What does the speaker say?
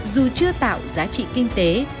dù chưa tạo giá trị kinh tế